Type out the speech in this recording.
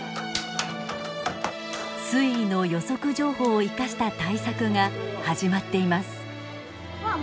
水位の予測情報を生かした対策が始まっています。